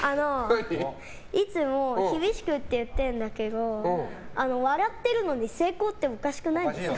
いつも厳しくって言ってるんだけど笑ってるのに成功っておかしくないですか。